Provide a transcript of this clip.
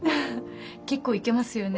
結構いけますよね。